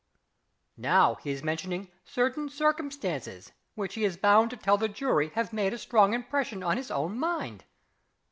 ... Now he is mentioning "certain circumstances, which he is bound to tell the jury have made a strong impression on his own mind."